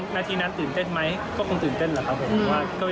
หน้าทีนั้นตื่นเต้นไหมก็คงตื่นเต้นแหละครับผมว่าก็เป็นเป็นเป็นประสบการณ์ที่ดี